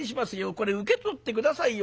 これ受け取って下さいよ。